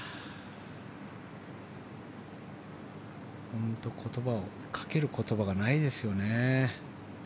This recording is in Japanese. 本当にかける言葉がないですよね。